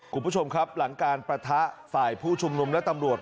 คุณผู้ชมครับหลังการประทะฝ่ายผู้ชุมนุมและตำรวจ